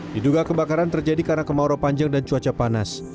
diduga kebakaran terjadi karena kemarau panjang dan cuaca panas